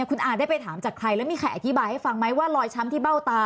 คุณอาได้ไปถามจากใครแล้วมีใครอธิบายให้ฟังไหมว่ารอยช้ำที่เบ้าตา